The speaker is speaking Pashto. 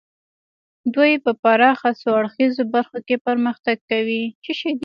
دوی په پراخه څو اړخیزو برخو کې پرمختګ کوي